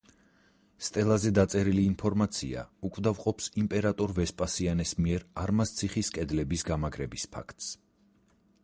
სტელაზე დაწერილი ინფორმაცია უკვდავყოფს იმპერატორ ვესპასიანეს მიერ არმაზციხის კედლების გამაგრების ფაქტს.